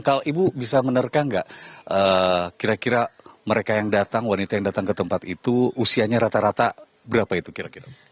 kalau ibu bisa menerka nggak kira kira mereka yang datang wanita yang datang ke tempat itu usianya rata rata berapa itu kira kira